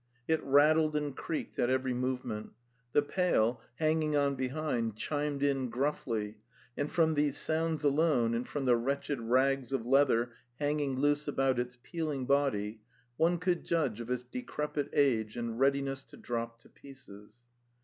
It rattled and creaked at every move ment; the pail, hanging on behind, chimed in gruffly, and from these sounds alone and from the wretched rags of leather hanging loose about its peeling body one could judge of its decrepit age and readiness to drop to pieces.